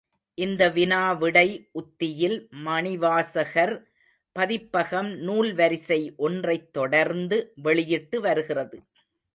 இந்த வினா விடை உத்தியில் மணிவாசகர் பதிப்பகம் நூல்வரிசை ஒன்றைத் தொடர்ந்து வெளியிட்டு வருகிறது.